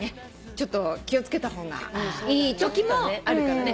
ちょっと気を付けた方がいいときもあるからね。